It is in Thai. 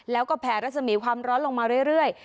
แล้วก็แผ่รัศมีความร้อนลงมาเรื่อย